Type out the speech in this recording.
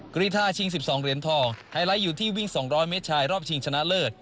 กรีธาชิง๑๒เหรียญทองไฮไลท์อยู่ที่วิ่ง๒๐๐เมตรชายรอบชิงชนะเลิศ